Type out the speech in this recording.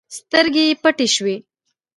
سترګې يې پټې شوې.